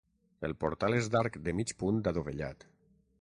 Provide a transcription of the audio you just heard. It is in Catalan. El portal és d'arc de mig punt adovellat.